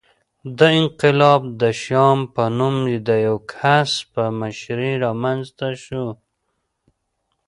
دا انقلاب د شیام په نوم د یوه کس په مشرۍ رامنځته شو